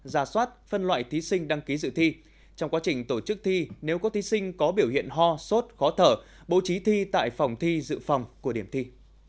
ra soát phân loại thí sinh đăng ký dự thi trong quá trình tổ chức thi nếu có thí sinh có biểu hiện ho sốt khó thở bố trí thi tại phòng thi dự phòng của điểm thi